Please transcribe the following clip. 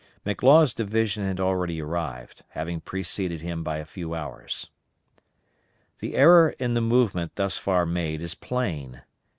McLaws' division had already arrived, having preceded him by a few hours. The error in the movement thus far made is plain.